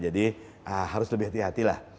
jadi harus lebih hati hati lah